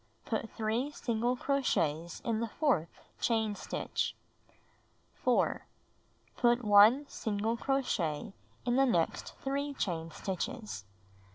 Put 3 single crochets in the fourth chain stitch. 4. Put 1 single crochet in the next 3 chain stitches.